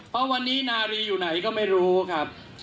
เพราะวันนี้นารีอยู่ไหนก็ไม่รู้ครับ